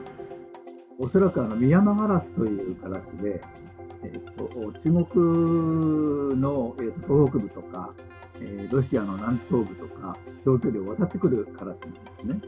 恐らくミヤマガラスというカラスで、中国の東北部とか、ロシアの南東部とか、長距離を渡ってくるカラスなんですね。